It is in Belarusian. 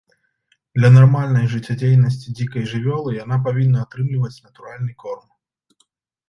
Для нармальнай жыццядзейнасці дзікай жывёлы яна павінна атрымліваць натуральны корм.